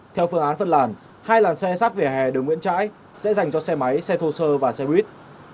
theo phương án phân làn hai làn xe sát về hè đường nguyễn trãi sẽ dành cho xe máy xe thô sơ và xe buýt